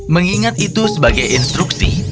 mengingat itu sebagai instruksi